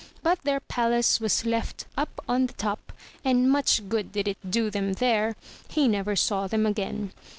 But their palace was left up on the top; and much good did it do them there! He never saw them again.